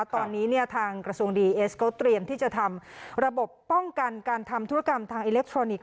ตอนนี้ทางกระทรวงดีเอสเขาเตรียมที่จะทำระบบป้องกันการทำธุรกรรมทางอิเล็กทรอนิกส